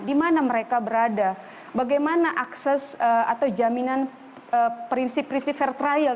di mana mereka berada bagaimana akses atau jaminan prinsip prinsip fair trial